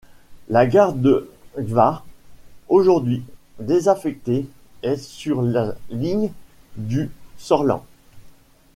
La gare de Gvarv, aujourd'hui désaffectée, est sur la ligne du Sørland.